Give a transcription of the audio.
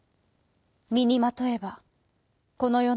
みにまとえばこのよ